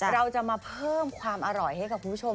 เราจะมาเพิ่มความอร่อยให้กับคุณผู้ชม